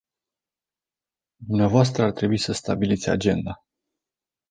Dvs. ar trebui să stabiliți agenda.